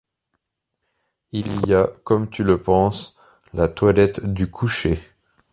Il y a, comme tu le penses, la toilette du coucher.